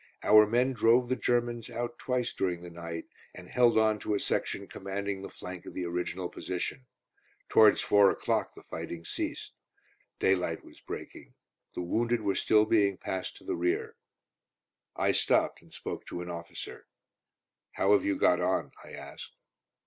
Our men drove the Germans out twice during the night, and held on to a section commanding the flank of the original position. Towards four o'clock the fighting ceased. Daylight was breaking. The wounded were still being passed to the rear. I stopped and spoke to an officer. "How have you got on?" I asked.